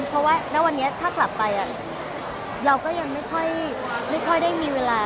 เพราะว่าณวันนี้ถ้ากลับไปเราก็ยังไม่ค่อยได้มีเวลา